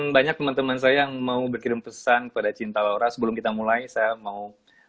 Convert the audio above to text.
banyak teman teman saya yang mau berkirim pesan kepada cinta laura sebelum kita mulai saya mau